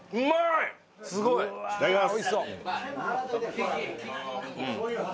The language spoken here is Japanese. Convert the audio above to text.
いただきます。